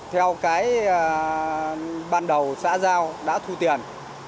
theo cái ban đầu xã giao đã thu tiền